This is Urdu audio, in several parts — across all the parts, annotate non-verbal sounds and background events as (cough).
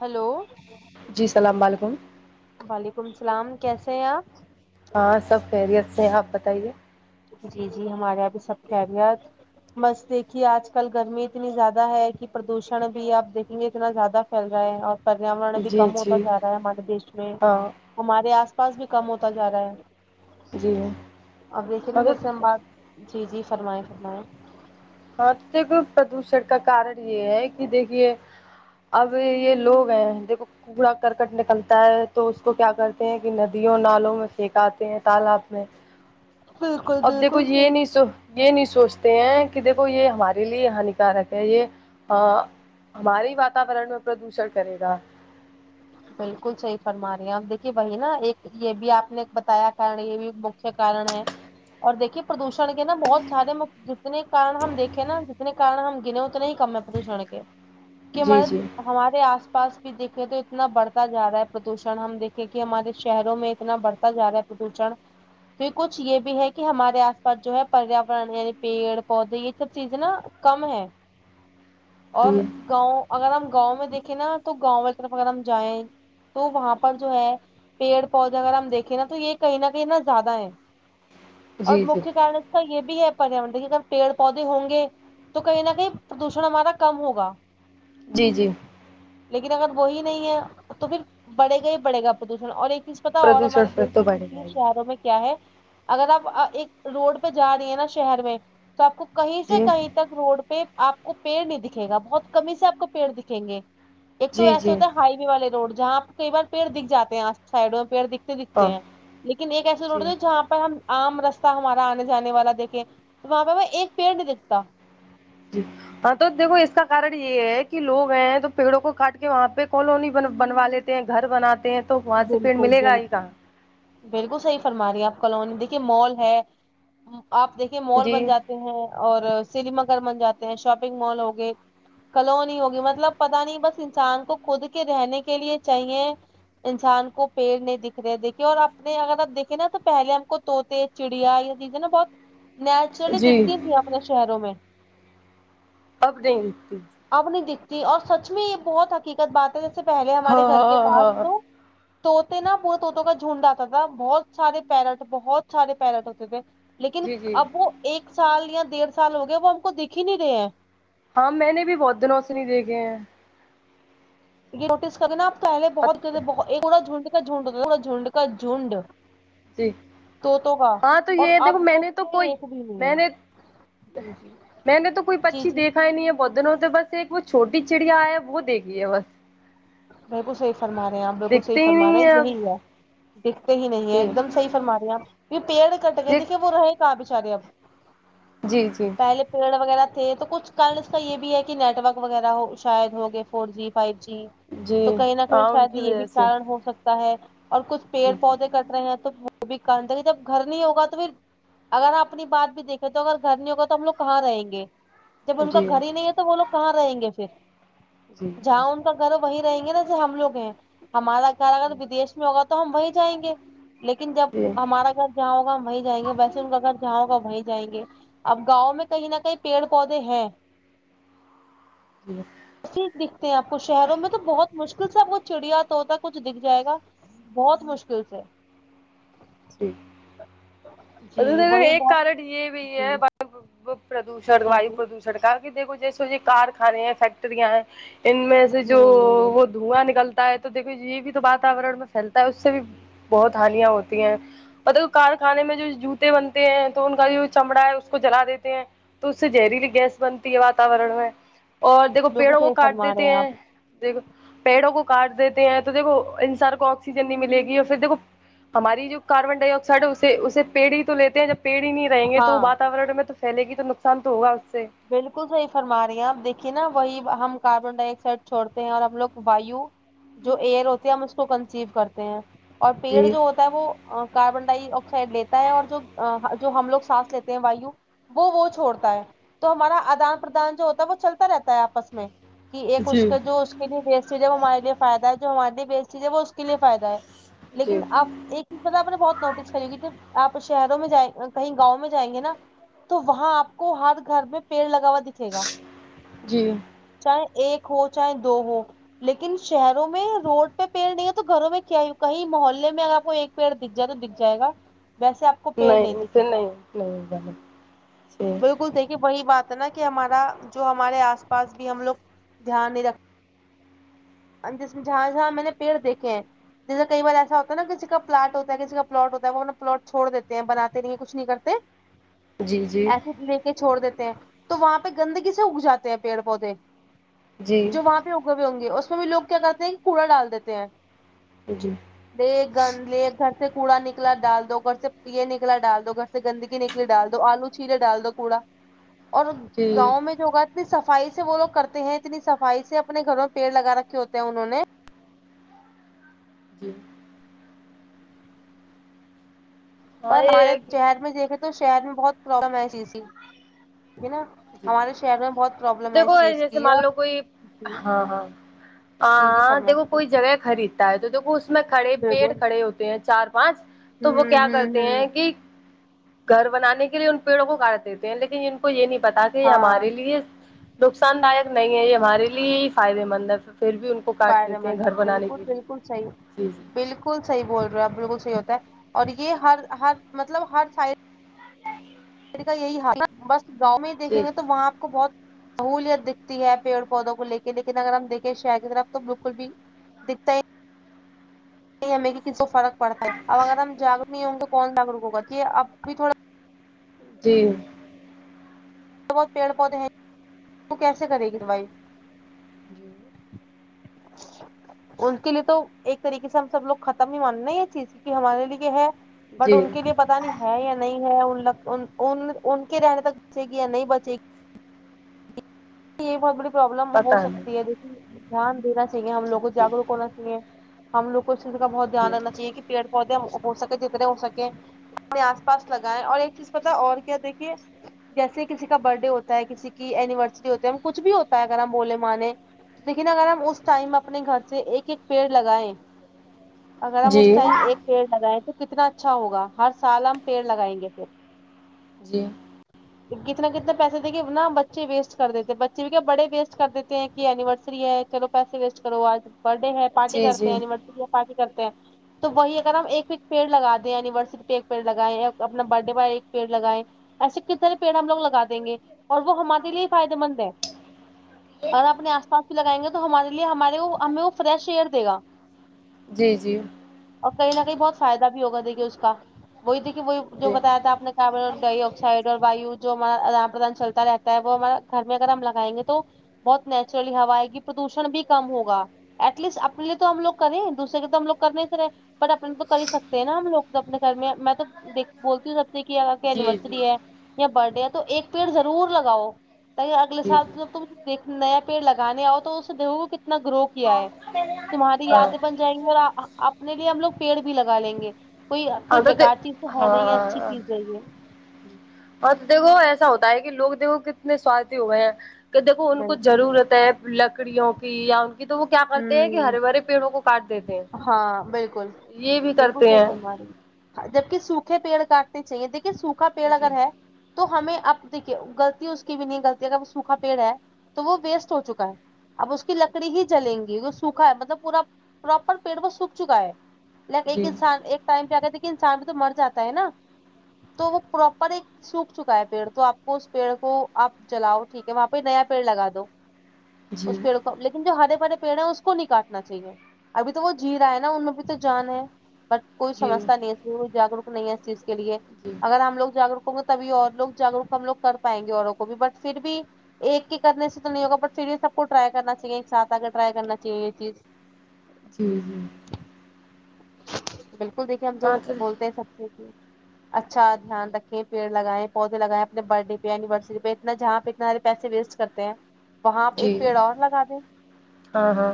ہلو جی السلام علیکم وعلیکم السلام کیسے ہیں آپ ہاں سب خیریت سے ہے آپ بتائیے جی جی ہمارے یہاں بھی سب خیریت مست دیکھیے آج کل گرمی اتنی زیادہ ہے کہ پردوشن بھی آپ دیکھیں گے اتنا زیادہ چل رہا ہے اور پریاورن بھی جی کم ہوتا جی جا رہا ہے ہمارے دیش میں ہاں ہمارے آس پاس بھی کم ہوتا جا رہا ہے جی اب دیکھیے مطلب جیسے ہم بات جی جی فرمائیں فرمائیں ہاں تو دیکھو پردوشن کا کارن یہ ہے کہ دیکھیے اب یہ لوگ ہیں دیکھو کڑا کرکٹ نکلتا ہے تو اس کو کیا کرتے ہیں کہ ندیوں نالوں میں پھینکاتے ہیں تالاب میں بالکل اب دیکھو بالکل یہ نہیں صحیح یہ نہیں سوچھتے ہیں کہ دیکھو یہ ہمارے لیے ہانیکارک ہے یہ ہمارے ہی واتورن میں پردوشن کرے گا بلکل صحیح فرما رہی ہیں آپ دیکھے وہی نا ایک یہ بھی آپ نے بتایا کارن یہ بھی مکھیہ کارن ہے اور دیکھیے پردوشن کے نا بہت سارے جتنے کارن ہم دیکھیں نا جتنے کارن ہم گنے اتنے ہی کم ہے پردوشن کے کہ جی ہمارے جی ہمارے آس پاس بھی دیکھے تو اتنا بڑھتا جا رہا ہے پردوشن ہم دیکھیں کہ ہمارے شہروں میں اتنا بڑھتا جا رہا ہے پردوشن تو کچھ یہ بھی ہے کہ ہمارے آس پاس جو ہے پریاورن یعنی پیڑ پودے یہ سب چیزیں نا کم ہے (inaudible) اور جی گاؤں اگر ہم گاؤں میں دیکھیں نا تو گاؤں میں طرف اگر ہم جائیںے تو وہاں پر جو ہے پیڑ پودے اگر ہم دیکھیں نا تو یہ کہیں نہ کہیں نا زیادہ ہیں اور جی جی مکھیہ کارن اس کا یہ بھی ہے پریاورن دیکھیے اگر پیڑ پودے ہوں گے تو کہیں نہ کہیں پردوشن ہمارا کم ہوگا جی جی لیکن اگر وہی نہیں ہے تو پھر بڑھے گا ہی بڑھے گا پردوشن اور ایک چیز پتا اور ہمارے تو بڑھ جائے دیش گی شہروں میں کیا ہے اگر آپ ایک روڈ پہ جا رہی ہیں نا شہر میں تو آپ کو کہیں سے جی کہیں تک روڈ پہ آپ کو پیڑ نہیں دکھے گا بہت کم ہی سے آپ کو پیڑ دکھیں گے ایک تو جی ایسا جی ہوتا ہائی وے والے روڈ جہاں آپ کو کئی بار پیڑ دکھ جاتے ہیں آ سائڈوں میں پیڑ دکھتے دکھتے ہاں ہیں لیکن ایک ایسے جی روڈ ہے جہاں پر ہم عام رستہ ہمارا آنے جانے والا دیکھے تو وہاں پہ میں ایک پیڑ نہیں دکھتا جی ہاں تو دیکھو اس کا کارن یہ ہے کہ لوگ ہیں تو پیڑوں کو کاٹ کے وہاں پہ کالونی بن بنوا لیتے گھر بناتے ہیں تو وہاں سے پھر بالکل ملے گا ہی بالکل کہاں بالکل صحیح فرما رہی ہیں آپ کالونی دیکھیے مال ہے آپ دیکھیے مال جی بن جاتے اور سنیما گھر بن جاتے ہیں شاپنگ مال ہو گئے کلونی ہوگی مطلب پتا نہیں بس انسان کو خود کے رہنے کے لیے چاہیے انسان کو پیڑ نہیں دکھ رہے دیکھے اور اپنے اگر آپ دیکھیں نا تو پہلے ہم کو طوطے چڑیا یہ چیزیں نا بہت ایکچوالی جی دکھتی تھیں اپنے شہروں میں اب نہیں دکھتی اب نہیں دکھتی اور سچ میں یہ بہت حقیقت بات ہے جیسے پہلے ہاں ہمارے گھر کے ہاں پاس ہاں تو طوطے نا پورے طوطوں کا جھنڈ آتا تھا بہت سارے پیرٹ بہت سارے پیرٹ ہوتے تھے لیکن جی جی اب وہ ایک سال یا دیڑھ سال ہو گئے وہ ہم کو دیکھ ہی نہیں رہے ہیں ہاں میں نے بھی بہت دنوں سے نہیں دیکھے ہیں یہ نوٹس کرے نا آپ پہلے بہت ایک نہ جھنڈ کا جھنڈ ہوتا جھنڈ کا جھنڈ جی طوطوں کا ہاں تو اور یہ دیکھو اب میں نے تو طوطے کوئی ایک بھی نہیں ہے میں نے میں نے تو کوئی جی پچھی جی دیکھا ہی نہیں ہے بہت دنوں بس ایک وہ چھوٹی چڑیا ہے وہ دیکھی ہے بس بالکل صحیح فرما رہے ہیں آپ بالکل صحیح دکھتے ہی فرمارے نہیں ہیں اب یہی ہے دیکھتے ہی نہیں ہے ایک دم صحیح فرما رہے ہیں آپ کی پیڑ کٹ گئے جی د دیکھئے وہ رہے کاں بیچارے اب جی جی پہلے پیڑ وغیرہ تھے تو کچھ کارن اس کا یہ بھی ہے کہ نیٹ ورک وغیرہ ہو شاید ہو گئے فور جی فائیو جی جی تو کہیں نہ کہیں ہاں ان شاید کی یہ بھی وجہ سے کارن ہو سکتا ہے اور کچھ جی پیڑ پودے کٹ رہے ہیں تو (unintelligible) جب گھر نہیں ہوگا تو پھر اگر آپ اپنی بات بھی دیکھیں تو اگر گھر نہیں ہوگا تو ہم لوگ کہاں رہیں گے جب ان کا جی گھر ہی نہیں ہے تو وہ لوگ کہاں رہیں گے جی پھر جہاں ان کا گھر ہے وہیں رہیں گے نا جہاں ہم لوگ ہیں ہمارا گھر اگر ودیش میں ہوگا تو ہم وہیں جائیں گے لیکن جب جی ہمارا گھر جہاں ہوگا وہیں جائیں گے ویسے ان کا گھر جہاں ہوگا وہیں جائیں گے اب گاؤں میں کہیں نہ کہیں پیڑ پودے ہیں (inaudible) ہر چیز دکھتے ہیں آپ کو شہروں میں تو بہت مشکل سے آپ کو چڑیا طوطا کچھ دیکھ جائے گا بہت مشکل سے اگر جی دیکھے وہی ایک بہت کارن یہ بھی جی ہے پ پ پردوشن جی وایو جی پردوشن کا کہ دیکھو جیسے جو یہ کارخانے ہیں فیک ٹریاں ہیں ان میں سے جو ہوں وہ دھواں نکلتا ہے تو دیکو یہ بھی تو واتاورن میں پھیلتا ہے اس سے بھی بہت ہانیاں ہوتی اور پتا کارخانے میں جو جوتے بنتے ہیں تو ان کا جو چمڑا ہے اس کو جلا دیتے ہیں تو اس سے زہریلی گیس بنتی ہے واتورن میں اور دیکھو بالکل پیڑوں وہ صحیح کاٹ فرما رہے دیتے ہیں آپ دیکھو پیڑوں کو کاٹ دیتے ہیں تو دیکھو انسان کو آکسیجن نہیں ملے گی یا پھر دیکھو ہماری جو کاربن ڈائی آکسائڈ ہے اس اسے پیڑ ہی تو لیتے ہیں جب پیڑ ہی نہیں رہیں گے تو ہاں وتاورن میں تو پھیلے گی تو نقصان تو ہوگا اس سے بالکل صحیح فرما رہی ہیں آپ دیکھیے نا وہی ہم کاربن ڈائی آکسائڈ چھوڑتے ہیں اور ہم لوگ وایو جو ایئر ہوتی ہے ہم اس کو کنسیو کرتے ہیں اور پیڑ جی جو ہو کا وہ کاربن ڈائی آکسائڈ لیتا ہے اور جو جو ہم لوگ سانس لیتے ہیں وایو وہ وہ چھوڑتا ہے تو ہمارا آدان پردان جو ہوتا ہے وہ چلتا رہتا ہے آپس میں کہ ایک اس جی کے جو اس کے لیے ویسٹ ہے جو ہمارے فائدہ ہے جو ہمارے لیے ویسٹ چیز ہے وہ اس کے لیے فائدہ ہے جی لیکن اب ایک چیز پتا آپ نے بہت نوٹس کریی کہ آپ شہروں میں جائ کہیں گاؤں میں جائیں گے نا تو وہاں آپ کو ہر گھر میں پیڑ لگاوا دکھے گا جی چاہے ایک ہو چاہے دو ہو لیکن شہروں میں روڈ پہ پیڑ نہیں ہے تو گھروں میں کیا کہیں محلے میں اگر آپ کو ایک پیڑ دکھ جائے تو دکھ جائے گا ویسے آپ کو پیڑ نہیں تو دکھے گا نہیں نہیں جانے بالکل دیکھیے وہی بات ہے نا کہ ہمارا جو ہمارے آس پاس بھی ہم لوگ دھیان نہیں رکھتے ہم جس میں جہاں جہاں میں نے پیڑ دیکھے ہیں جیسے کئی بار ایسا ہوتا نا کسی کا پلاٹ ہوتا ہے کسی کا پلاٹ ہوتا ہے وہ اپنا پلاٹ چھوڑ دیتے ہیں بناتے نہیں ہیں کچھ نہیں کرتے جی جی ایسے لے کے چھوڑ دیتے ہیں تو وہاں پہ گندگی سے اگ جاتے ہیں پیڑ پودے جی جو وہاں پہ اگے ہوئے ہوں گے اس میں بھی لوگ کیا کرتے ہیں کوڑا ڈال دیتے ہیں جی د گند لیے ایک گھر سے کوڑا نکلا ڈال دو گھر سے یہ نکلا ڈال دو گھر سے گندگی نکلی ڈال دو آلو چھیلے ڈال دو کوڑا اور جی گاؤں میں جو ہوگا اتنی صفائی سے وہ لوگ کرتے ہیں اتنی صفائی سے اپنے گھروں میں پیڑ لگا رکھ کےہوتے ہیں انہوں نے جی ہاں پر یہ ہمارے ہے کہ شہر میں دیکھے تو شہر میں بہت پرابلم ہے اس چیز کی ہے نا جی ہمارے شہر میں بہت پرابلم ہے دیکھو اس چیز جیسے کی مان اور لو ج آ ہاں دیکھو کوئی جگہ خریدتا ہے تو دیکھو اس میں کھڑے بالکل پیڑ ہوں کھڑے ہوتے ہیں چار پانچ تو وہ کیا ہوں کرتے ہوں ہیں کہ گھر بنانے کے لیے ان پیڑوں کو کاٹ دیتے ہیں لیکن ان کو یہ نہیں پتا کہ یہ ہاں ہمارے لیے نقصان دایک نہیں ہے یہ ہمارے لیے ہی فائدے مند ہے پھر بھی انکو کاٹ فائدے دیتے ہیں مند ہے گھر بنانے بالکل کے لیے بالکل جی صحیح بالکل صحیح بول رہے بالکل صحیح ہوتا ہے اور یہ ہر ہر مطلب ہر سائڈ کا یہی حال نا بس گاؤں میں ہی دیکھیں جی گے تو وہاں آ پکو بہت سہولیت دکھتی ہے پیڑ پودوں کو لے کے لیکن اگر ہم دیکھیں شہر کی طرف تو بالکل بھی دکھتا ہی ہمیں کہ کسی کو فرق پڑتا ہے اگر ہم جاگروک نہیں ہوں گے کون جاگروک ہوگا یہ اب بھی تھوڑا جی تھوڑے بہت پیڑ پودے ہیں وہ کیسے کرے گی بھئی ان کے لیے تو ایک طریقے سے ہم سب لوگ ختم ہی ماننا یہ چیز کے کہ ہمارے لیے یہ ہے بٹ جی جی ان کے لیے پتا نہیں ہے یا نہیں ہے ان لگ ان کے رہنے تکے یا نہیں بچے یہ بہت بڑی پرابلم پتہ ہو سکتی ہے نہیں دیکھی دھیان دینا چاہیے ہم لوگ جی کو جاگروک جی ہونا چاہیے ہم لوگ کو اس چیز کا بہت دھیان رہنا چاہیے کہ پیڑ پودے ہو سکے جتنے ہو سکیں اپنے آس پاس لگائے اور ایک چیز پتا اور کیا دیکھیے جیسے کسی کا برتھڈے ہوتا ہے کسی کی اینیورسری ہوتا ہے ہم کچھ بھی ہوتا ہے اگر ہم بولے مانے لیکن اگر ہم اس ٹائم اپنے گھر سے ایک ایک پیڑ لگائے اگر ہم اس ٹائم ایک پیڑ لگائیں تو کتنا اچھا ہوگا ہر سال ہم پیڑ لگائیں گے پھر جی کتنا کتنے پیسے دیں گےنا بچے ویسٹ کر دیتے ہیں بچے بھی کیا بڑے ویسٹ کر دیتے ہیں کہ اینیورسری ہے چو پیسے ویسٹ کرو آج برتڈے ہے پارٹی جی کرتے ہیں جی اینیورسری ہے پارٹی کرتے ہیں تو وہی اگر ہم ایک ایک پیڑ لگا دیں اینیورسری پہ ایک پیڑ لگائیں یا اپنا برتڈے پے ایک پیڑ لگائیں ایسے کتنے پیڑ ہم لوگ لگا دیں گے اور وہ ہمارے لیے فائدے مند ہے اگر اپنے آس پاس بھی لگائیں گے تو ہمارے لیے ہمارے وہ ہمیں وہ فریش ایر دے گا جی جی اور کہیں نہ کہیں بہت فائدہ بھی ہوگا دیکھیے اس کا وہی دیکھیے وہ جو بتایا تھا آ نے کاربن ڈائی آکسائڈ اور وایو جو ہمارا آدان پردان چلتا رہتا ہے وہ ہمارا گھر میں اگر ہم لگائیں گے تو بہت نیچرلی ہوا آئے گی پردوشن بھی کم ہوگا ایٹ لیسٹ اپنے لیے تو ہم لوگ کریں دوسرے کے تو ہم لوگ کرنے سے رہے بٹ اپنے تو کر ہی سکتے ہیں نا ہم لوگ تو اپنے گھر میں میں تو دیک بولتی ہوں دیکھیے اگر کہیں جی جی جی جی ایننیورسری ہے یا برتھڈے ہے تو ایک پیڑ ضرور لگاؤ کہیں اگلے جی سال جب تم ایک نیا پیڑ لگانے آؤ تو اسے دیکھو کے کتنا گرو کیا ہے تمہاری ہاں یادیں بن جائیں گی اور اپنے لیے ہم لوگ پیڑ بھی لگا لیں گے کوئی کوئی ہاں تو بیکار چیز تو ہے نہیں اچھی ہاں چیز ہے یہ اور دیکھو ایسا ہوتا ہے کہ لوگ دیکھو کتنے سورتھی ہوئے ہیں کہ دیکھو ان کو بالکل ضرورت ہے لکڑیوں کی یا ان کی تو وہ کیا کرتے ہیں کہ ہوں ہرے بھرے پیڑوں کو کاٹ دیتے ہیں ہاں یہ بھی کرتے ہیں جبکے سوکھے پیڑ کاٹنے چاہیے دیکھیے سوکھا پیڑ جی اگر ہے تو ہمیں اب دیکھئے غلطی اس کی بھی نہیں غلطی اگر وہ سوکھا پیڑ ہے تو وہ ویسٹ ہو چکا ہے اب اس کی لکڑی ہی جلیں گی وہ سوکھا ہے مطلب پورا پراپر پیڑ میں سوکھ چکا ہے لائک ایک جی انسان ایک ٹائم پہ آ گر دیکھے انسان بھی تو مر جاتا ہے نا تو وہ پراپر ایک سوکھ چکا ہے پیڑ تو آپ کو اس پیڑ کو آپ جلاؤ ٹھیک ہے وہاں پہ نیا پیڑ لگا دو جی اس پیڑ کو لیکن جو ہرے بھرے پیڑ ہیں اس کو نہیں کاٹنا چاہیے ابھی تو وہ جی رہا ہے نا ان بھی تو جان ہے بٹ کوئی جی سمجھتا نہیں ہے جاگروک نہیں ہے چیز کے لیے جی جی اگر ہم لوگ جاگروک ہوں تو تبھی اور لوگ جاگروک ہم لوگ کر پائیں گے اوروں کو بھی بٹ پھر بھی ایک کے کرنے سے تو نہیں ہوگا بٹ پھر بھی سب کو ٹرائی کرنا چاہیے ایک ساتھ آ کے ٹرائی کرنا چاہیے یہ چیز جی جی بالکل دیکھیے ہم تو بولتے ہیں سب سے کہ اچھا دھیان رکھیں پیڑ لگائےیں پودے لگائےیں اپنے برتھڈے پہ ایننیورسری پہ اتنا جہاں پہ اتنا پیسے ویسٹ کرتے ہیں وہاں آپ ایک جی پیڑ اور لگا دیں ہاں ہاں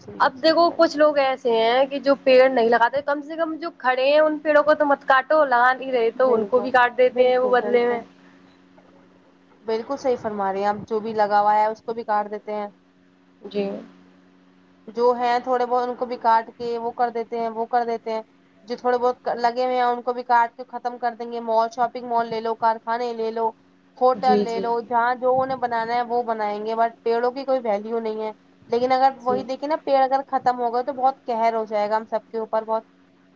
جی اب جی دیکھو کچھ لوگ ایسے ہوتے ہیں کے جو پیڑ نہیں لگاتے کم سے کم جو کھڑے ہیں ان پیڑوں کو تو مت کاٹ و تو لگا نہیں رہے تو ان کو بھی بالکل کاٹ دیتے ہیں وہ بالکل بالکل بدلے میں بالکل بالکل صحیح فرما رہی ہے آپ جو بھی لگا ہوا ہے اس کو بھی کاٹ دیتے ہیں جی جو ہے تھوڑے بہت ان کو بھی کاٹ کے وہ کردیتے ہیں وہ کردیتے ہیں جو تھوڑے بہت لگے ہوئے ہیں ان کو بھی کاٹ کے ختم کر دیں گے مال شاپنگ مال لے لو کارخانے لے لو ہوٹل جی لے جی لو جہاں جو انہیں بنانا ہے وہ بنائیں گے بٹ پیڑوں کی کوئی ویلو نہیں ہے لیکن اگر وہی جی دیکھیے نا پیڑ اگر ختم ہوگئے تو بہت قہر ہو جائے گا ہم سب کے اوپر بہت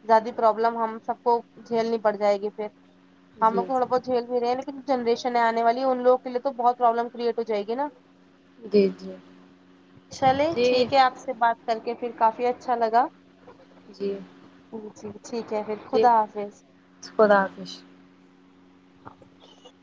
زیادی پرابلم ہم سب کو جھیلنی پڑ جائے گی پھر ہم لوگ جی کو تھوڑا جی بہت جھیل بھی رہ ہیں لیکن جو جنریشن ہے آنے والی ان لوگ کے لئے تو بہت پروابلم کریٹ ہوجائے گی نا جی جی چلیں ٹھیک جی ہے آپ سے بات کر کے پھر کافی اچھا لگا جی جی جی ٹھیک ہے پھر جی خدا حافظ خدا حافظ (inaudible)